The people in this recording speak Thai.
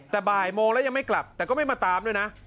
แต่บ่ายโมงแล้วยังไม่กลับแต่ก็ไม่มาตามด้วยนะ